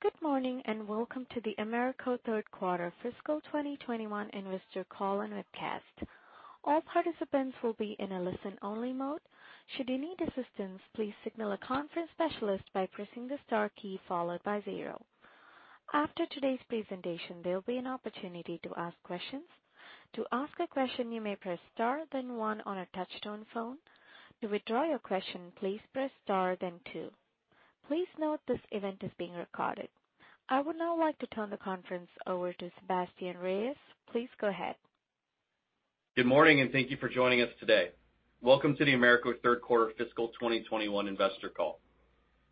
Good morning, welcome to the AMERCO third quarter fiscal 2021 investor call and webcast. I would now like to turn the conference over to Sebastien Reyes. Please go ahead. Good morning, and thank you for joining us today. Welcome to the AMERCO third quarter fiscal 2021 investor call.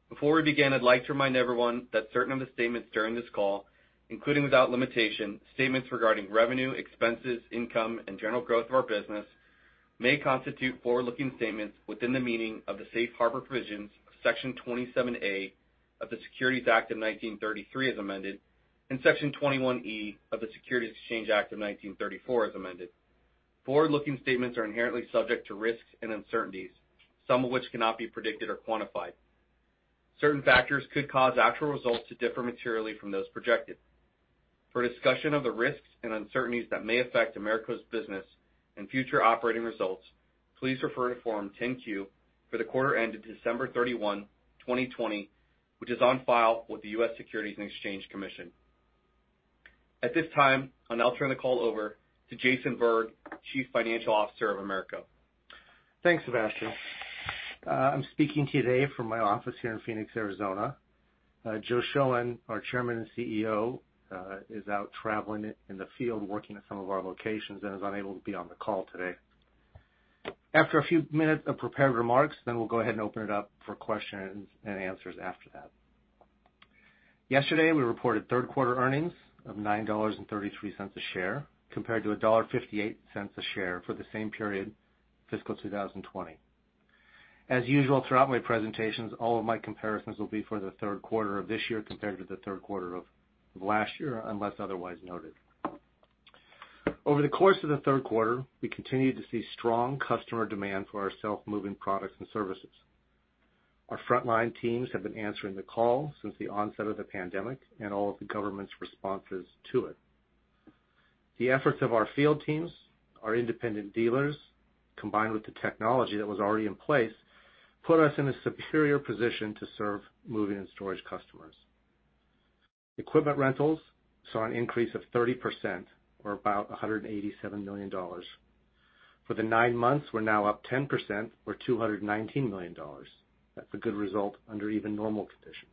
Before we begin, I'd like to remind everyone that certain of the statements during this call, including without limitation, statements regarding revenue, expenses, income, and general growth of our business may constitute forward-looking statements within the meaning of the safe harbor provisions of Section 27A of the Securities Act of 1933, as amended, and Section 21E of the Securities Exchange Act of 1934, as amended. Forward-looking statements are inherently subject to risks and uncertainties, some of which cannot be predicted or quantified. Certain factors could cause actual results to differ materially from those projected. For a discussion of the risks and uncertainties that may affect AMERCO's business and future operating results, please refer to Form 10-Q for the quarter ended December 31, 2020, which is on file with the U.S. Securities and Exchange Commission. At this time, I'll now turn the call over to Jason Berg, Chief Financial Officer of AMERCO. Thanks, Sebastien. I'm speaking to you today from my office here in Phoenix, Arizona. Joe Shoen, our Chairman and CEO, is out traveling in the field working at some of our locations and is unable to be on the call today. After a few minutes of prepared remarks, we'll go ahead and open it up for questions and answers after that. Yesterday, we reported third-quarter earnings of $9.33 a share, compared to $1.58 a share for the same period fiscal 2020. As usual, throughout my presentations, all of my comparisons will be for the third quarter of this year compared to the third quarter of last year, unless otherwise noted. Over the course of the third quarter, we continued to see strong customer demand for our self-moving products and services. Our frontline teams have been answering the call since the onset of the pandemic and all of the government's responses to it. The efforts of our field teams, our independent dealers, combined with the technology that was already in place, put us in a superior position to serve moving and storage customers. Equipment rentals saw an increase of 30%, or about $187 million. For the nine months, we're now up 10%, or $219 million. That's a good result under even normal conditions.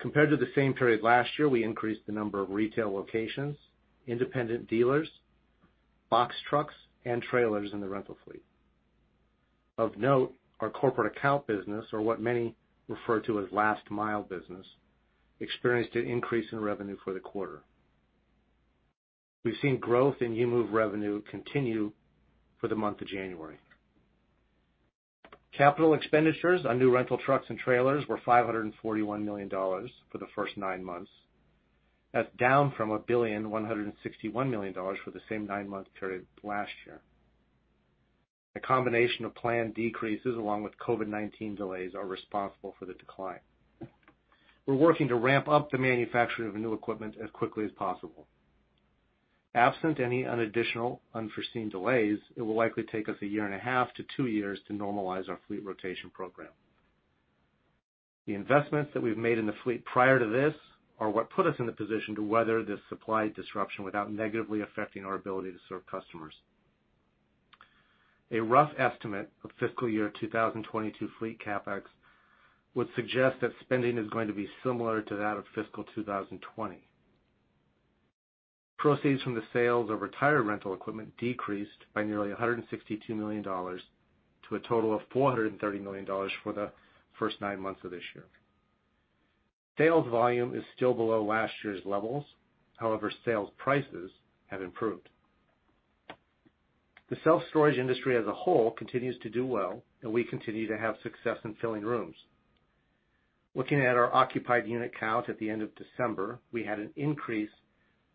Compared to the same period last year, we increased the number of retail locations, independent dealers, box trucks, and trailers in the rental fleet. Of note, our corporate account business, or what many refer to as last-mile business, experienced an increase in revenue for the quarter. We've seen growth in U-Move revenue continue for the month of January. Capital expenditures on new rental trucks and trailers were $541 million for the first nine months. That's down from $1,161 million for the same nine-month period last year. A combination of planned decreases, along with COVID-19 delays are responsible for the decline. We're working to ramp up the manufacturing of new equipment as quickly as possible. Absent any additional unforeseen delays, it will likely take us a year and a half to two years to normalize our fleet rotation program. The investments that we've made in the fleet prior to this are what put us in the position to weather this supply disruption without negatively affecting our ability to serve customers. A rough estimate of fiscal year 2022 fleet CapEx would suggest that spending is going to be similar to that of fiscal 2020. Proceeds from the sales of retired rental equipment decreased by nearly $162 million to a total of $430 million for the first nine months of this year. Sales volume is still below last year's levels. Sales prices have improved. The self-storage industry as a whole continues to do well, and we continue to have success in filling rooms. Looking at our occupied unit count at the end of December, we had an increase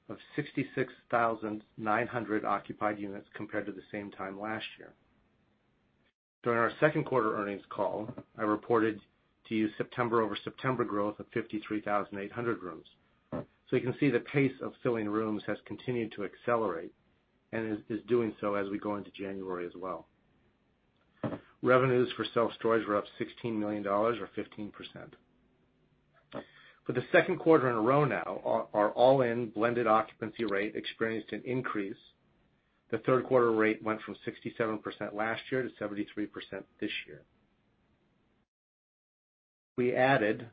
of 66,900 occupied units compared to the same time last year. During our second quarter earnings call, I reported to you September-over-September growth of 53,800 rooms. You can see the pace of filling rooms has continued to accelerate and is doing so as we go into January as well. Revenues for self-storage were up $16 million or 15%. For the second quarter in a row now, our all-in blended occupancy rate experienced an increase. The third quarter rate went from 67% last year to 73% this year. We've added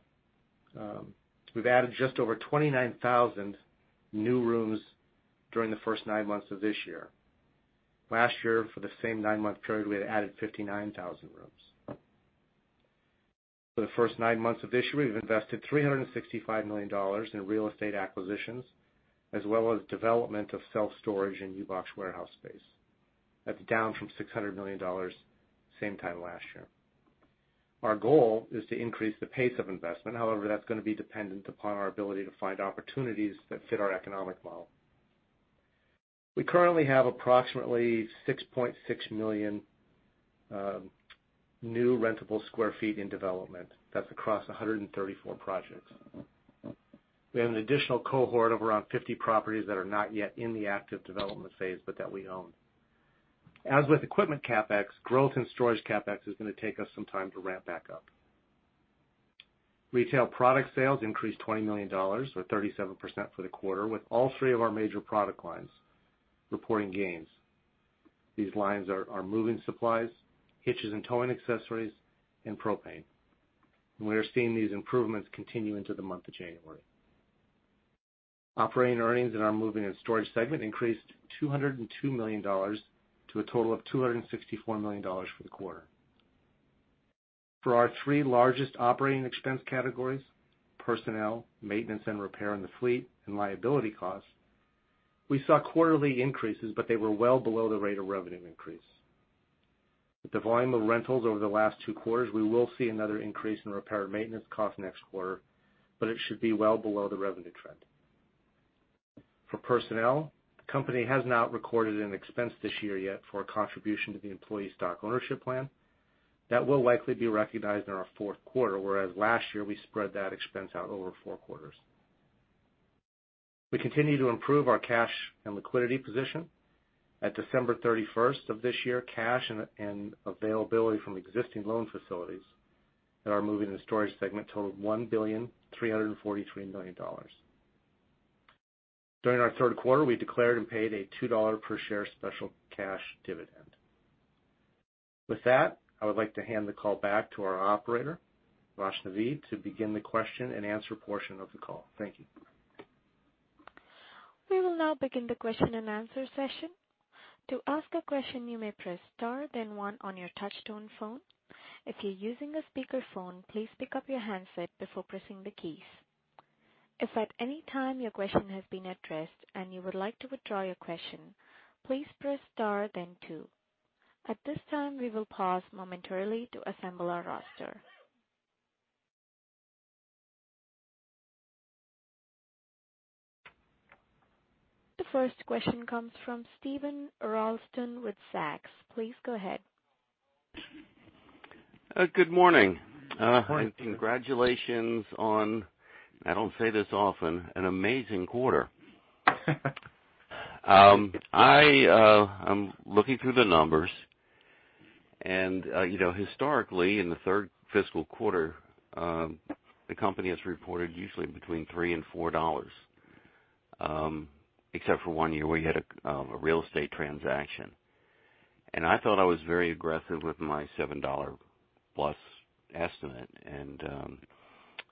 just over 29,000 new rooms during the first nine months of this year. Last year, for the same nine-month period, we had added 59,000 rooms. For the first nine months of this year, we've invested $365 million in real estate acquisitions, as well as development of self-storage and U-Box warehouse space. That's down from $600 million same time last year. Our goal is to increase the pace of investment. However, that's going to be dependent upon our ability to find opportunities that fit our economic model. We currently have approximately 6.6 million new rentable square feet in development. That's across 134 projects. We have an additional cohort of around 50 properties that are not yet in the active development phase, but that we own. As with equipment CapEx, growth in storage CapEx is going to take us some time to ramp back up. Retail product sales increased $20 million, or 37%, for the quarter, with all three of our major product lines reporting gains. These lines are moving supplies, hitches and towing accessories, and propane. We are seeing these improvements continue into the month of January. Operating earnings in our Moving and Storage segment increased $202 million to a total of $264 million for the quarter. For our three largest operating expense categories, personnel, maintenance and repair in the fleet, and liability costs, we saw quarterly increases, but they were well below the rate of revenue increase. With the volume of rentals over the last two quarters, we will see another increase in repair and maintenance cost next quarter, but it should be well below the revenue trend. For personnel, the company has not recorded an expense this year yet for a contribution to the employee stock ownership plan. That will likely be recognized in our fourth quarter, whereas last year we spread that expense out over four quarters. We continue to improve our cash and liquidity position. At December 31st of this year, cash and availability from existing loan facilities in our Moving and Storage segment totaled $1.343 billion. During our third quarter, we declared and paid a $2 per share special cash dividend. With that, I would like to hand the call back to our operator, Rashnavi, to begin the question-and-answer portion of the call. Thank you. We will now begin the question-and-answer session. To ask a question, you may press star, then one on your touch-tone phone. If you're using a speakerphone, please pick up your handset before pressing the keys. If at any time your question has been addressed and you would like to withdraw your question, please press star, then two. At this time, we will pause momentarily to assemble our roster. The first question comes from Steven Ralston with Zacks. Please go ahead. Good morning. Morning. Congratulations on, I don't say this often, an amazing quarter. I am looking through the numbers, and historically in the third fiscal quarter, the company has reported usually between $3 and $4, except for one year where you had a real estate transaction. I thought I was very aggressive with my $7+ estimate.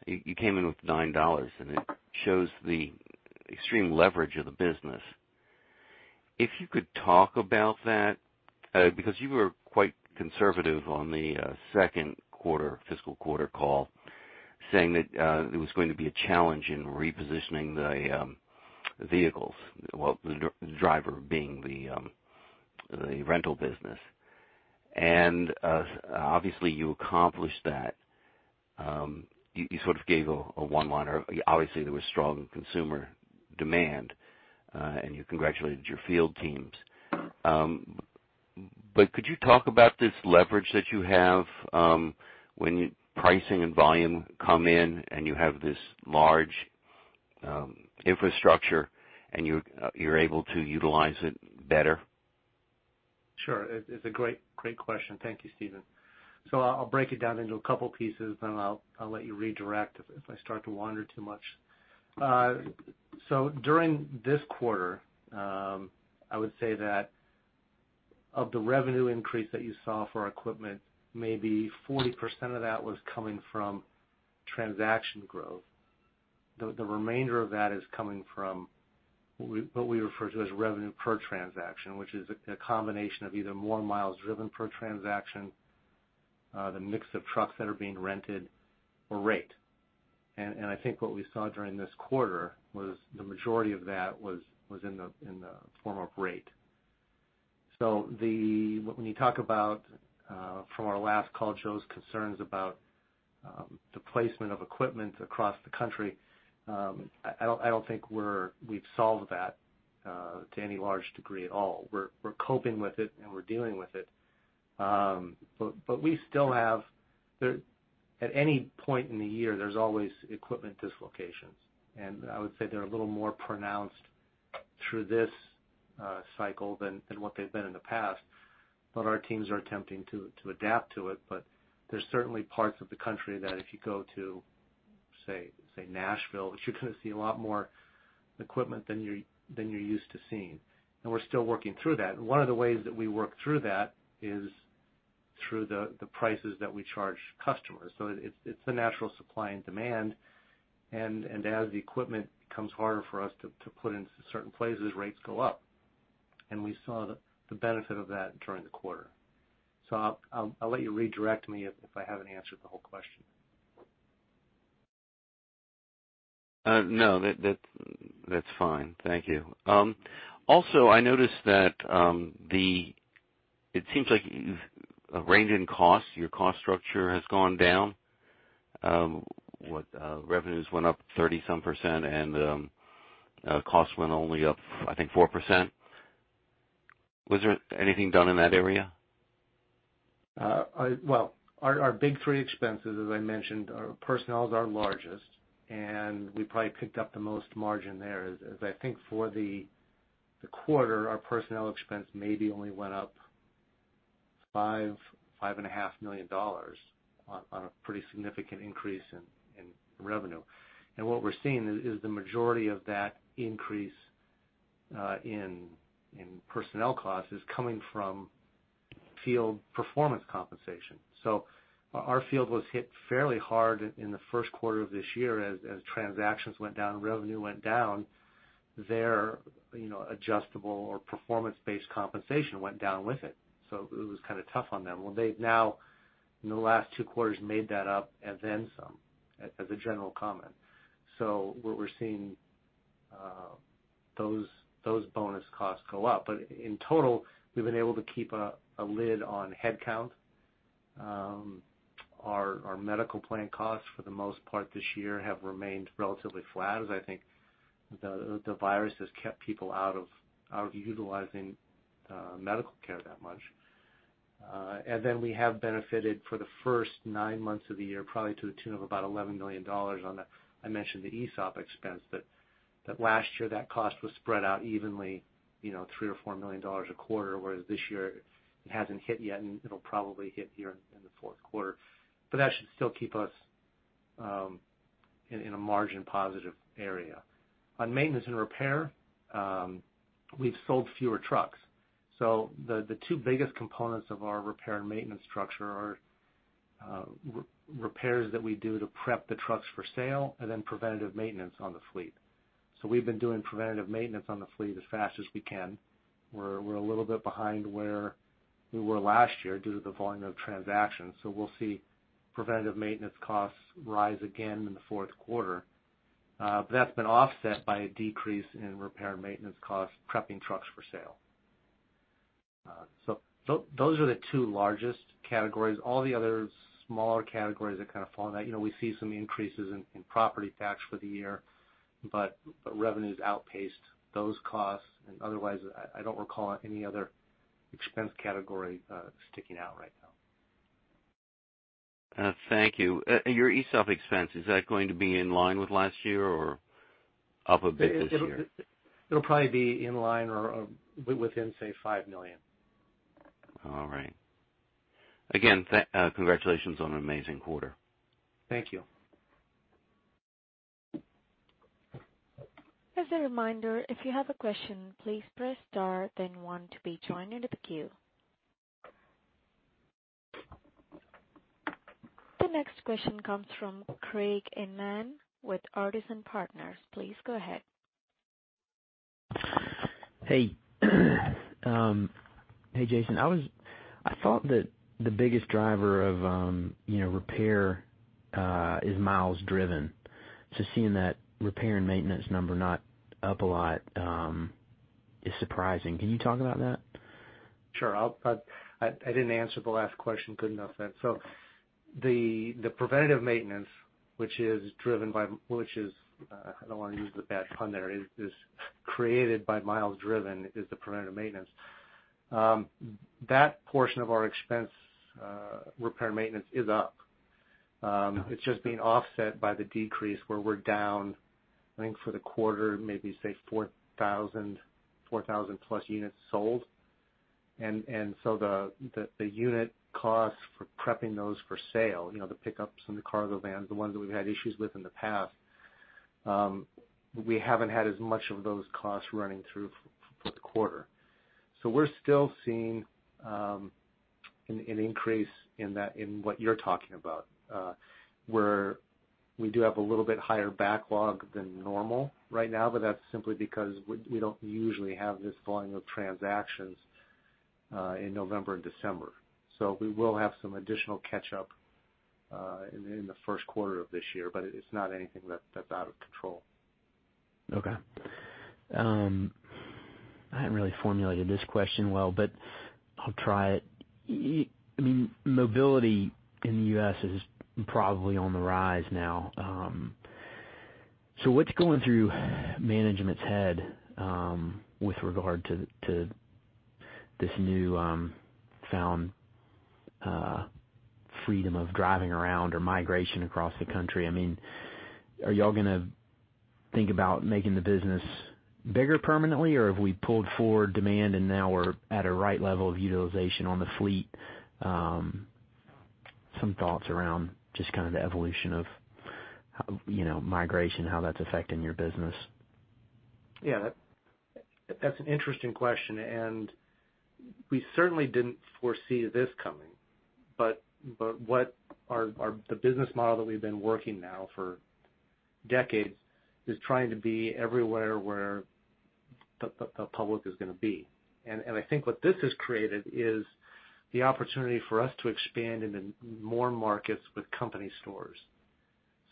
You came in with $9, and it shows the extreme leverage of the business. If you could talk about that, because you were quite conservative on the second fiscal quarter call, saying that it was going to be a challenge in repositioning the vehicles. Well, the driver being the rental business. Obviously, you accomplished that. You sort of gave a one-liner. Obviously, there was strong consumer demand, and you congratulated your field teams. Could you talk about this leverage that you have when pricing and volume come in, and you have this large infrastructure, and you're able to utilize it better? Sure. It's a great question. Thank you, Steven. I'll break it down into a couple pieces, then I'll let you redirect if I start to wander too much. During this quarter, I would say that of the revenue increase that you saw for our equipment, maybe 40% of that was coming from transaction growth. The remainder of that is coming from what we refer to as revenue per transaction, which is a combination of either more miles driven per transaction, the mix of trucks that are being rented, or rate. I think what we saw during this quarter was the majority of that was in the form of rate. When you talk about from our last call, Joe's concerns about the placement of equipment across the country, I don't think we've solved that to any large degree at all. We're coping with it, and we're dealing with it. We still have, at any point in the year, there's always equipment dislocations. I would say they're a little more pronounced through this cycle than what they've been in the past. Our teams are attempting to adapt to it. There's certainly parts of the country that if you go to, say, Nashville, you're going to see a lot more equipment than you're used to seeing. We're still working through that. One of the ways that we work through that is through the prices that we charge customers. It's a natural supply and demand. As the equipment becomes harder for us to put into certain places, rates go up. We saw the benefit of that during the quarter. I'll let you redirect me if I haven't answered the whole question. No, that's fine. Thank you. I noticed that it seems like a range in cost, your cost structure has gone down. What, revenues went up 30% and costs went only up, I think 4%? Was there anything done in that area? Our big three expenses, as I mentioned, personnel is our largest, and we probably picked up the most margin there. As I think for the quarter, our personnel expense maybe only went up $5 million-$5.5 million on a pretty significant increase in revenue. What we're seeing is the majority of that increase in personnel costs is coming from field performance compensation. Our field was hit fairly hard in the first quarter of this year as transactions went down and revenue went down. Their adjustable or performance-based compensation went down with it. It was kind of tough on them. They've now, in the last two quarters, made that up and then some, as a general comment. What we're seeing, those bonus costs go up. In total, we've been able to keep a lid on headcount. Our medical plan costs for the most part this year have remained relatively flat as I think the virus has kept people out of utilizing medical care that much. We have benefited for the first nine months of the year, probably to the tune of about $11 million on the, I mentioned, the ESOP expense that last year, that cost was spread out evenly, $3 million or $4 million a quarter, whereas this year it hasn't hit yet, and it'll probably hit here in the fourth quarter. That should still keep us in a margin-positive area. On maintenance and repair, we've sold fewer trucks. The two biggest components of our repair and maintenance structure are repairs that we do to prep the trucks for sale and then preventative maintenance on the fleet. We've been doing preventative maintenance on the fleet as fast as we can. We're a little bit behind where we were last year due to the volume of transactions. We'll see preventative maintenance costs rise again in the fourth quarter. That's been offset by a decrease in repair and maintenance costs prepping trucks for sale. Those are the two largest categories. All the other smaller categories have kind of fallen out. We see some increases in property tax for the year, but revenues outpaced those costs. Otherwise, I don't recall any other expense category sticking out right now. Thank you. Your ESOP expense, is that going to be in line with last year or up a bit this year? It'll probably be in line or within, say, $5 million. All right. Again, congratulations on an amazing quarter. Thank you. As a reminder, if you have a question, please press star then one to be joined into the queue. The next question comes from Craig Inman with Artisan Partners. Please go ahead. Hey, Jason. I thought that the biggest driver of repair is miles driven. Seeing that repair and maintenance number not up a lot is surprising. Can you talk about that? Sure. I didn't answer the last question good enough then. The preventative maintenance, which is, I don't want to use the bad pun there, is created by miles driven, is the preventative maintenance. That portion of our expense repair and maintenance is up. Okay. It's just being offset by the decrease where we're down, I think for the quarter, maybe, say 4,000+ units sold. The unit cost for prepping those for sale, the pickups and the cargo vans, the ones that we've had issues within the past, we haven't had as much of those costs running through for the quarter. We're still seeing an increase in what you're talking about, where we do have a little bit higher backlog than normal right now, but that's simply because we don't usually have this volume of transactions in November and December. We will have some additional catch-up in the first quarter of this year, but it's not anything that's out of control. Okay. I haven't really formulated this question well, but I'll try it. Mobility in the U.S. is probably on the rise now. What's going through management's head with regard to this newfound freedom of driving around or migration across the country? Are you all going to think about making the business bigger permanently, or have we pulled forward demand and now we're at a right level of utilization on the fleet? Some thoughts around just kind of the evolution of migration, how that's affecting your business. Yeah. That's an interesting question, and we certainly didn't foresee this coming, but what the business model that we've been working now for decades is trying to be everywhere where the public is going to be. I think what this has created is the opportunity for us to expand into more markets with company stores.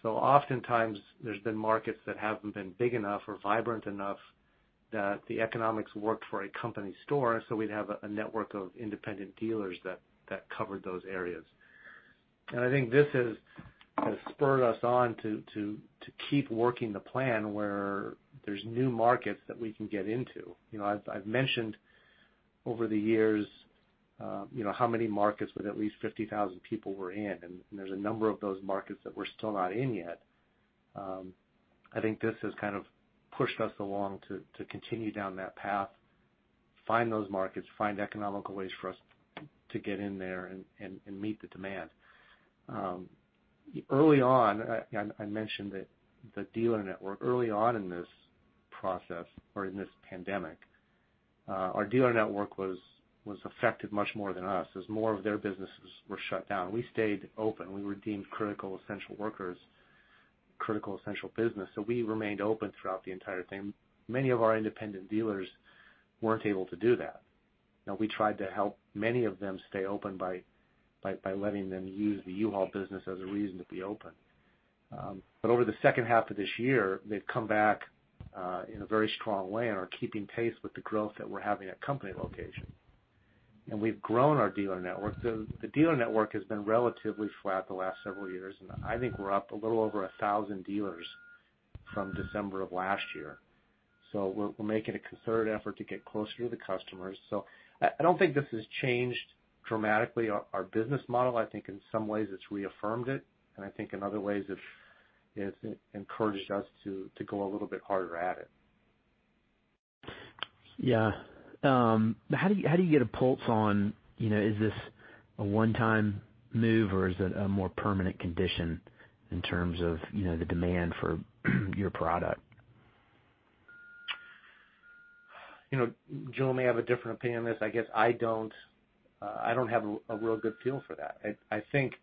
Oftentimes there's been markets that haven't been big enough or vibrant enough that the economics work for a company store, so we'd have a network of independent dealers that covered those areas. I think this has spurred us on to keep working the plan where there's new markets that we can get into. I've mentioned over the years how many markets with at least 50,000 people we're in, and there's a number of those markets that we're still not in yet. I think this has kind of pushed us along to continue down that path, find those markets, find economical ways for us to get in there and meet the demand. Early on, I mentioned the dealer network. Early on in this process, or in this pandemic, our dealer network was affected much more than us as more of their businesses were shut down. We stayed open. We were deemed critical essential workers, critical essential business, so we remained open throughout the entire thing. Many of our independent dealers weren't able to do that. Now, we tried to help many of them stay open by letting them use the U-Haul business as a reason to be open. Over the second half of this year, they've come back in a very strong way and are keeping pace with the growth that we're having at company location. We've grown our dealer network. The dealer network has been relatively flat the last several years, and I think we're up a little over 1,000 dealers from December of last year. We're making a concerted effort to get closer to the customers. I don't think this has changed dramatically our business model. I think in some ways it's reaffirmed it, and I think in other ways it's encouraged us to go a little bit harder at it. Yeah. How do you get a pulse on, is this a one-time move, or is it a more permanent condition in terms of the demand for your product? Joe may have a different opinion on this. I guess I don't have a real good feel for that. I think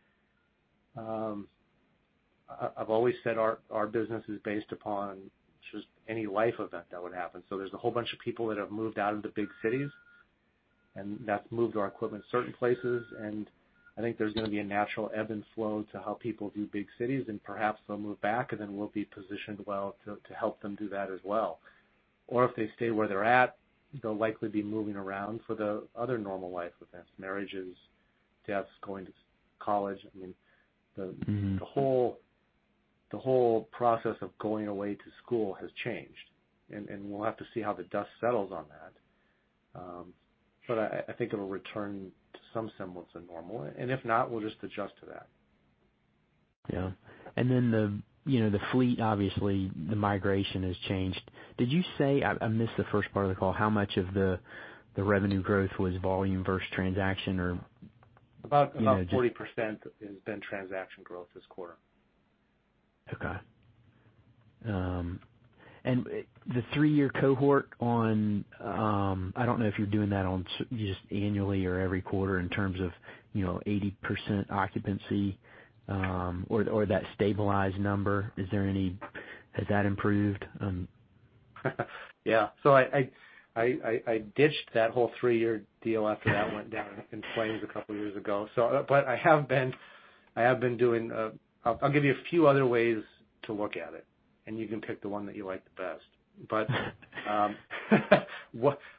I've always said our business is based upon just any life event that would happen. There's a whole bunch of people that have moved out of the big cities, and that's moved our equipment certain places, and I think there's going to be a natural ebb and flow to how people view big cities, and perhaps they'll move back, and then we'll be positioned well to help them do that as well. If they stay where they're at, they'll likely be moving around for the other normal life events, marriages, deaths, going to college. I mean, the whole process of going away to school has changed, and we'll have to see how the dust settles on that. I think it'll return to some semblance of normal, and if not, we'll just adjust to that. Yeah. The fleet, obviously, the migration has changed. Did you say, I missed the first part of the call, how much of the revenue growth was volume versus transaction? About 40% has been transaction growth this quarter. Okay. The three-year cohort on, I don't know if you're doing that on just annually or every quarter in terms of 80% occupancy, or that stabilized number. Has that improved? I ditched that whole three-year deal after that went down in flames a couple of years ago. I'll give you a few other ways to look at it, and you can pick the one that you like the best.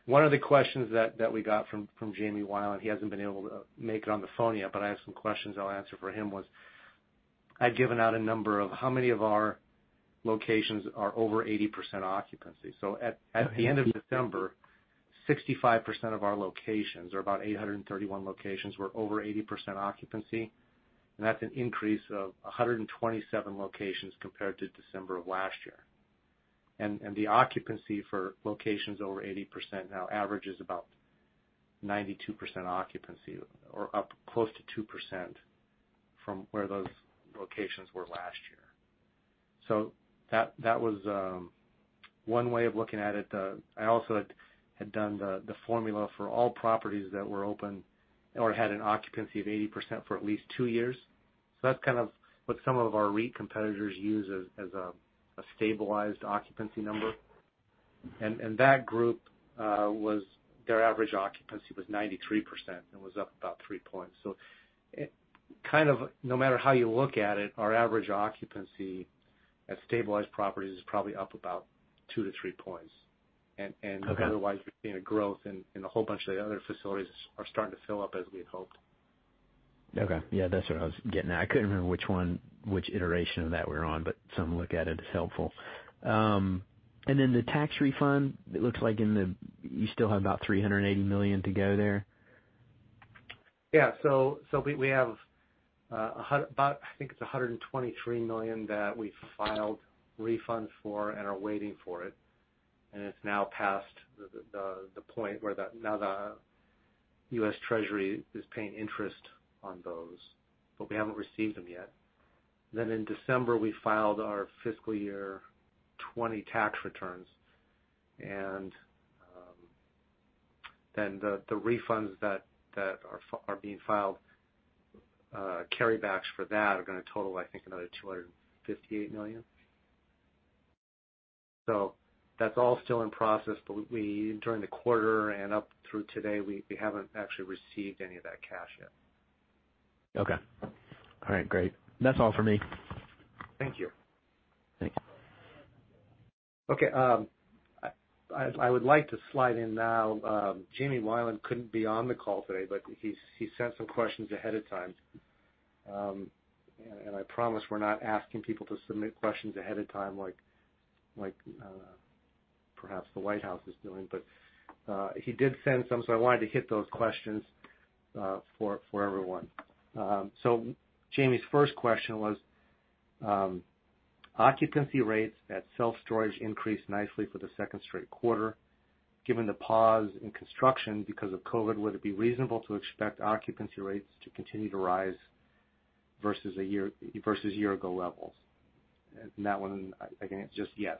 One of the questions that we got from Jamie Wilen, he hasn't been able to make it on the phone yet, but I have some questions I'll answer for him was, I'd given out a number of how many of our locations are over 80% occupancy. At the end of December, 65% of our locations, or about 831 locations, were over 80% occupancy. That's an increase of 127 locations compared to December of last year. The occupancy for locations over 80% now averages about 92% occupancy, or up close to 2% from where those locations were last year. That was one way of looking at it. I also had done the formula for all properties that were open or had an occupancy of 80% for at least two years. That's kind of what some of our REIT competitors use as a stabilized occupancy number. That group, their average occupancy was 93% and was up about 3 points. Kind of no matter how you look at it, our average occupancy at stabilized properties is probably up about 2 points-3 points. Okay. Otherwise, we're seeing a growth in a whole bunch of the other facilities are starting to fill up as we had hoped. Okay. Yeah, that's what I was getting at. I couldn't remember which one, which iteration of that we're on, but some look at it as helpful. Then the tax refund, it looks like you still have about $380 million to go there? Yeah. We have about, I think it's $123 million that we filed refunds for and are waiting for it. It's now past the point where now the U.S. Treasury is paying interest on those, but we haven't received them yet. In December, we filed our fiscal year 2020 tax returns. The refunds that are being filed, carry backs for that are going to total, I think, another $258 million. That's all still in process, but during the quarter and up through today, we haven't actually received any of that cash yet. Okay. All right, great. That's all for me. Thank you. Thanks. Okay. I would like to slide in now, Jamie Wilen couldn't be on the call today, but he sent some questions ahead of time. I promise we're not asking people to submit questions ahead of time like perhaps the White House is doing. He did send some, so I wanted to hit those questions for everyone. Jamie's first question was: occupancy rates at self-storage increased nicely for the second straight quarter. Given the pause in construction because of COVID, would it be reasonable to expect occupancy rates to continue to rise versus year-ago levels? That one, again, it's just yes,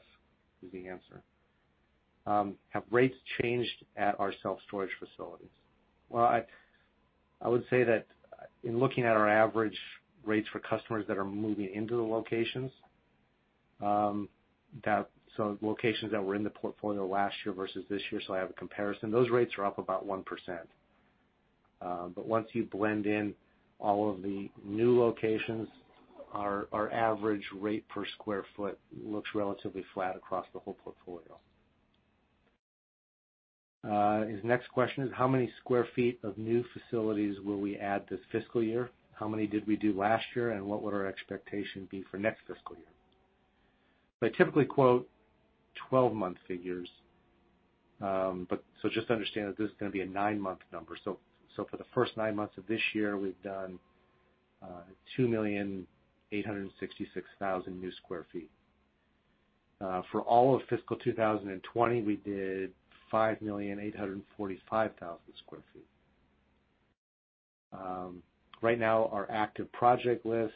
is the answer. Have rates changed at our self-storage facilities? I would say that in looking at our average rates for customers that are moving into the locations, so locations that were in the portfolio last year versus this year, so I have a comparison, those rates are up about 1%. Once you blend in all of the new locations, our average rate per square foot looks relatively flat across the whole portfolio. His next question is: how many square feet of new facilities will we add this fiscal year? How many did we do last year, and what would our expectation be for next fiscal year? I typically quote 12-month figures, just understand that this is going to be a nine-month number. For the first nine months of this year, we've done 2,866,000 new square feet. For all of fiscal 2020, we did 5,845,000 square feet. Our active project list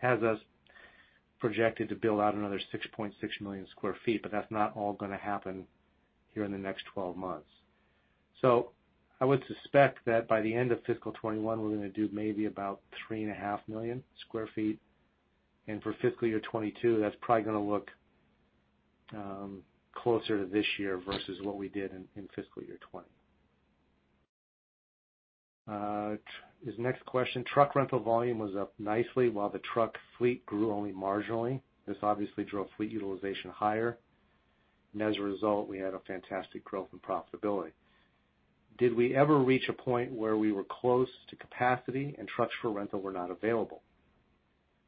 has us projected to build out another 6.6 million square feet, that's not all going to happen here in the next 12 months. I would suspect that by the end of fiscal 2021, we're going to do maybe about 3.5 million square feet. For fiscal year 2022, that's probably going to look closer to this year versus what we did in fiscal year 2020. His next question: truck rental volume was up nicely while the truck fleet grew only marginally. This obviously drove fleet utilization higher, and as a result, we had a fantastic growth and profitability. Did we ever reach a point where we were close to capacity and trucks for rental were not available?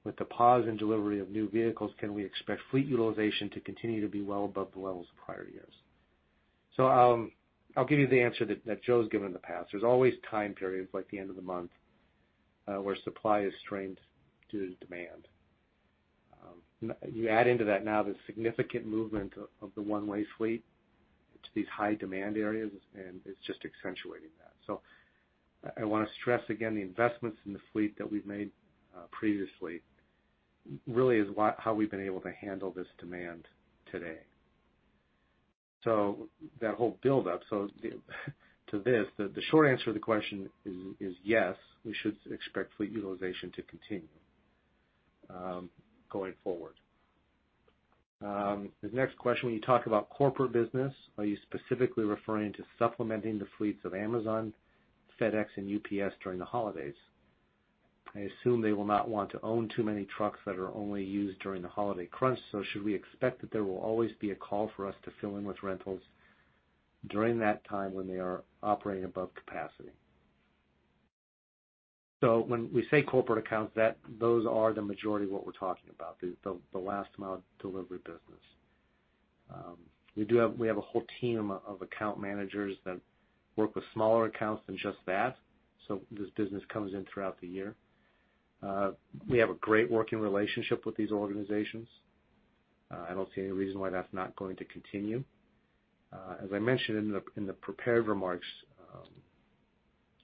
With the pause in delivery of new vehicles, can we expect fleet utilization to continue to be well above the levels of prior years? I'll give you the answer that Joe's given in the past. There's always time periods, like the end of the month, where supply is strained due to demand. You add into that now the significant movement of the one-way fleet to these high-demand areas, and it's just accentuating that. I want to stress again, the investments in the fleet that we've made previously really is how we've been able to handle this demand today. That whole buildup, so to this, the short answer to the question is yes, we should expect fleet utilization to continue going forward. His next question: when you talk about corporate business, are you specifically referring to supplementing the fleets of Amazon, FedEx, and UPS during the holidays? I assume they will not want to own too many trucks that are only used during the holiday crunch, should we expect that there will always be a call for us to fill in with rentals during that time when they are operating above capacity? When we say corporate accounts, those are the majority of what we're talking about, the last-mile delivery business. We have a whole team of account managers that work with smaller accounts than just that, so this business comes in throughout the year. We have a great working relationship with these organizations. I don't see any reason why that's not going to continue. As I mentioned in the prepared remarks,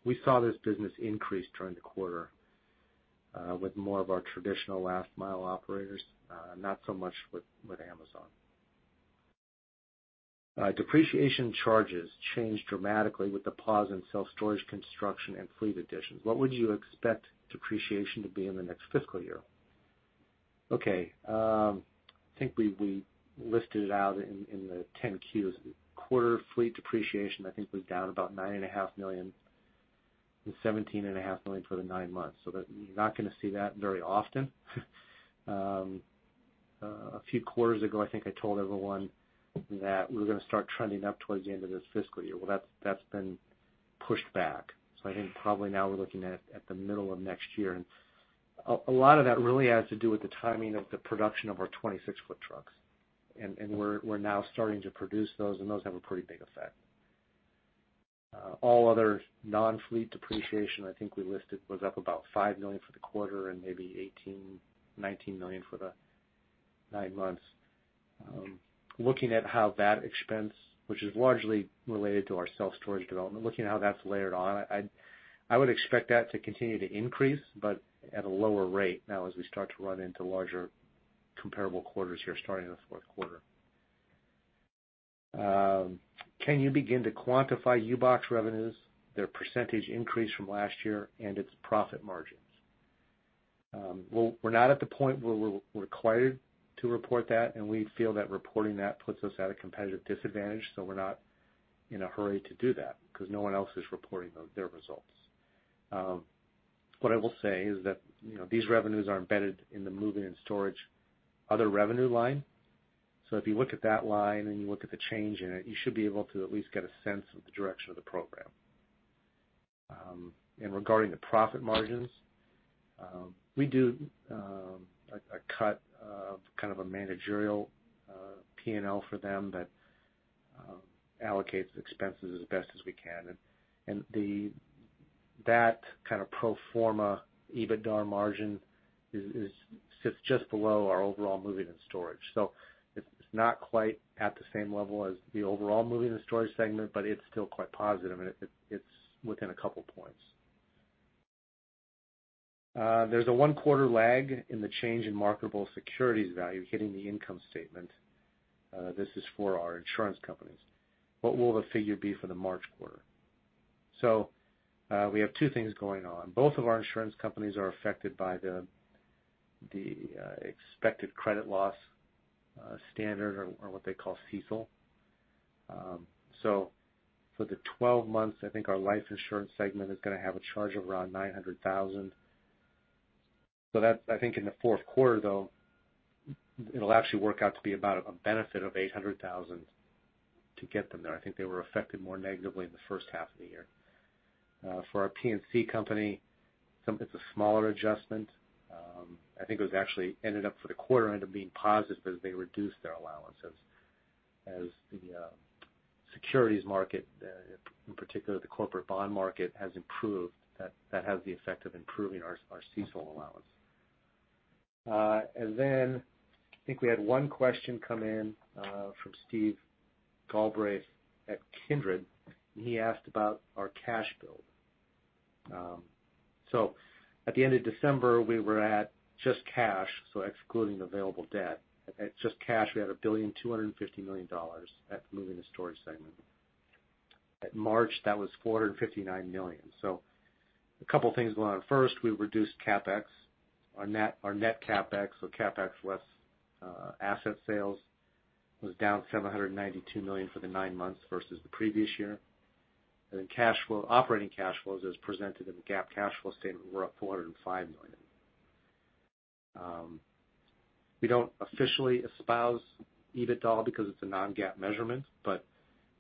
we saw this business increase during the quarter with more of our traditional last-mile operators, not so much with Amazon. Depreciation charges changed dramatically with the pause in self-storage construction and fleet additions. What would you expect depreciation to be in the next fiscal year? Okay. I think I listed it out in the 10-Q. Quarter fleet depreciation, I think, was down about $9.5 million, and $17.5 million for the nine months. You're not going to see that very often. A few quarters ago, I think I told everyone that we were going to start trending up towards the end of this fiscal year. That's been pushed back. I think probably now we're looking at the middle of next year. A lot of that really has to do with the timing of the production of our 26-foot trucks. We're now starting to produce those, and those have a pretty big effect. All other non-fleet depreciation, I think we listed, was up about $5 million for the quarter and maybe $18 million, $19 million for the nine months. Looking at how that expense, which is largely related to our self-storage development, looking at how that's layered on, I would expect that to continue to increase, but at a lower rate now as we start to run into larger comparable quarters here starting in the fourth quarter. Can you begin to quantify U-Box revenues, their percentage increase from last year, and its profit margin? Well, we're not at the point where we're required to report that, and we feel that reporting that puts us at a competitive disadvantage, so we're not in a hurry to do that because no one else is reporting their results. What I will say is that these revenues are embedded in the moving and storage other revenue line. If you look at that line and you look at the change in it, you should be able to at least get a sense of the direction of the program. Regarding the profit margins, we do a cut of kind of a managerial P&L for them that allocates expenses as best as we can. That kind of pro forma EBITDA margin sits just below our overall moving and storage. It's not quite at the same level as the overall Moving and Storage segment, but it's still quite positive, and it's within a couple points. There's a one-quarter lag in the change in marketable securities value hitting the income statement. This is for our insurance companies. What will the figure be for the March quarter? We have two things going on. Both of our insurance companies are affected by the expected credit loss standard, or what they call CECL. For the 12 months, I think our Life Insurance segment is going to have a charge of around $900,000. I think in the fourth quarter, though, it'll actually work out to be about a benefit of $800,000 to get them there. I think they were affected more negatively in the first half of the year. For our P&C company, it's a smaller adjustment. I think it actually ended up for the quarter end up being positive as they reduced their allowances. As the securities market, in particular the corporate bond market, has improved, that has the effect of improving our CECL allowance. I think we had one question come in from Steve Galbraith at Kindred, and he asked about our cash build. At the end of December, we were at just cash, so excluding available debt. At just cash, we had $1,250 million at the moving and storage segment. At March, that was $459 million. A couple of things going on. First, we reduced CapEx. Our net CapEx, so CapEx less asset sales, was down $792 million for the nine months versus the previous year. Operating cash flows, as presented in the GAAP cash flow statement, were up $405 million. We don't officially espouse EBITDA because it's a non-GAAP measurement, but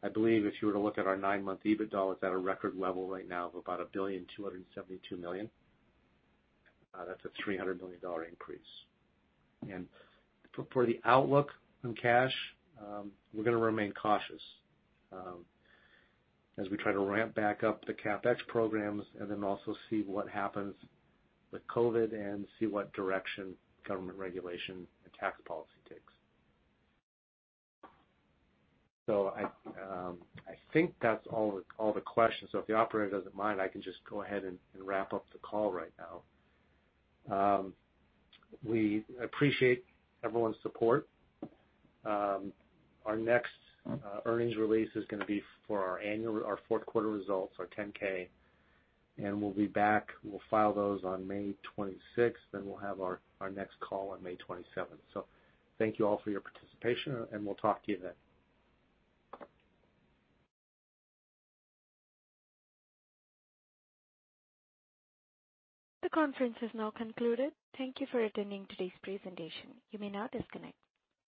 I believe if you were to look at our nine-month EBITDA, it's at a record level right now of about $1,272 million. That's a $300 million increase. For the outlook on cash, we're going to remain cautious as we try to ramp back up the CapEx programs and then also see what happens with COVID and see what direction government regulation and tax policy takes. I think that's all the questions. If the operator doesn't mind, I can just go ahead and wrap up the call right now. We appreciate everyone's support. Our next earnings release is going to be for our fourth-quarter results, our 10-K, and we'll be back. We'll file those on May 26th, then we'll have our next call on May 27th. Thank you all for your participation, and we'll talk to you then. This conference has now concluded. Thank you for attending today's presentation. You may now disconnect.